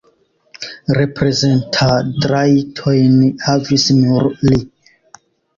Reprezentadrajtojn havis nur li.